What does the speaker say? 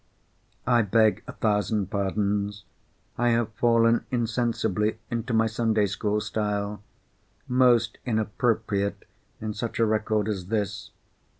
I beg a thousand pardons. I have fallen insensibly into my Sunday school style. Most inappropriate in such a record as this.